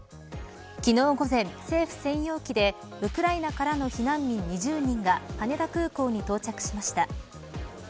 昨日午前、政府専用機でウクライナからの避難民２０人が羽田空港に到着しました。